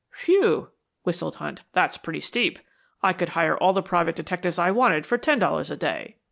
"Whew!" whistled Hunt, "that's pretty steep. I could hire all the private detectives I wanted for ten dollars a day."